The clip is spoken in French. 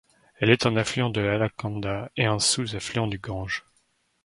Elle est un affluent de l'Alaknanda et donc un sous-affluent du Gange.